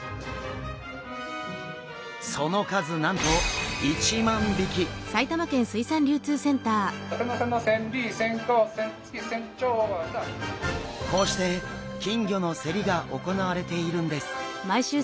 その数なんとこうして金魚の競りが行われているんです。